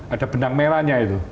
ada benang merahnya itu